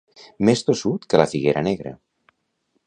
Més tossut que la figuera negra.